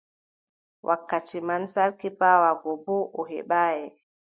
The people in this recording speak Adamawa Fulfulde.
Wakkati man, sarki paawa go boo o heɓaay.